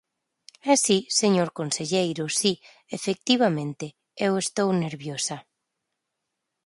E si, señor conselleiro, si, efectivamente, eu estou nerviosa.